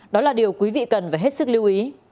đó là điều quý vị cần phải hết sức lưu ý